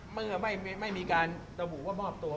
เมื่อไม่มีการระบุว่ามอบตัว